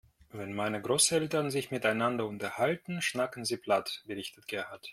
Wenn meine Großeltern sich miteinander unterhalten, schnacken sie platt, berichtet Gerhard.